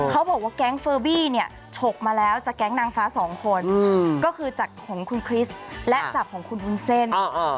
เขาบอกว่าแก๊งเฟอร์บี้เนี่ยฉกมาแล้วจากแก๊งนางฟ้าสองคนก็คือจากของคุณคริสต์และจากของคุณวุ้นเส้น